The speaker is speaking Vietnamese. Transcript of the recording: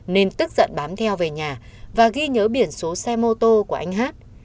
nên tức giận bám theo về nhà và ghi nhớ biển số xe mô tô của anh hát